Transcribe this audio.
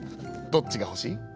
どっちがほしい？」。